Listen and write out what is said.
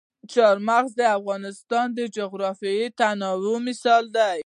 چار مغز د افغانستان د جغرافیوي تنوع مثال دی.